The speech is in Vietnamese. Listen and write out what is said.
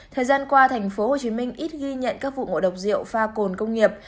thời gian qua tp hcm ít ghi nhận các vụ ngộ độc rượu pha cồn công nghiệp